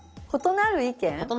「○なる意見」。